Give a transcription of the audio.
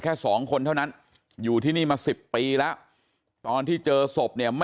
แค่สองคนเท่านั้นอยู่ที่นี่มา๑๐ปีแล้วตอนที่เจอศพเนี่ยไม่